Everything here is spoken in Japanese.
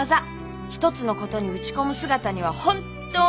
一つのことに打ち込む姿には本当に感動しました。